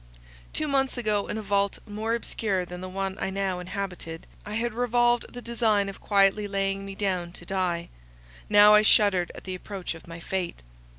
Two months ago, in a vault more obscure than the one I now inhabited, I had revolved the design of quietly laying me down to die; now I shuddered at the approach of fate.